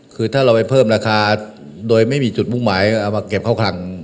คือถ้าเราไปเพิ่มราคาโดยไม่มีจุดมุ่งหมายเอามาเก็บเข้าคลัง